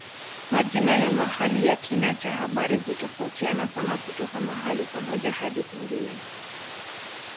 Majina ya mahali na kina cha habari hutofautiana sana kutoka mahali pamoja hadi pengine.